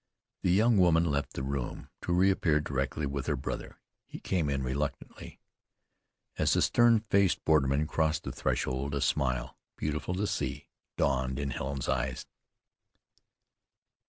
The young woman left the room, to reappear directly with her brother. He came in reluctantly. As the stern faced borderman crossed the threshold a smile, beautiful to see, dawned in Helen's eyes.